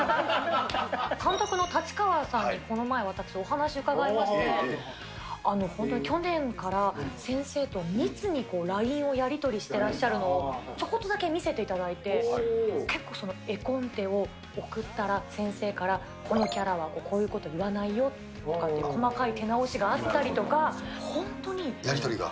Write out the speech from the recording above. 監督の立川さん、この前、私、お話伺いまして、本当に去年から、先生と密にＬＩＮＥをやり取りしてらっしゃるのを、ちょこっとだけ見せていただいて、結構、絵コンテを送ったら、先生からこのキャラはこういうこと言わないよとかって、細かい手やり取りが。